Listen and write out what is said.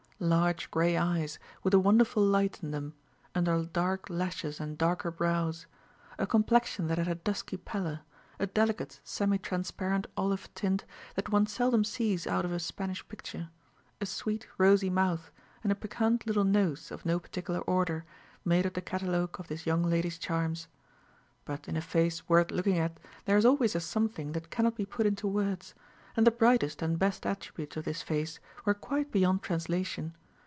Large gray eyes, with a wonderful light in them, under dark lashes and darker brows; a complexion that had a dusky pallor, a delicate semi transparent olive tint that one seldom sees out of a Spanish picture; a sweet rosy mouth, and a piquant little nose of no particular order, made up the catalogue of this young lady's charms. But in a face worth looking at there is always a something that cannot be put into words; and the brightest and best attributes of this face were quite beyond translation.